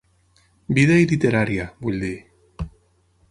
Vida i literària, vull dir.